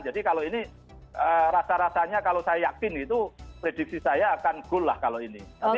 jadi kalau ini rasa rasanya kalau saya yakin itu prediksi saya akan gold lah kalau ini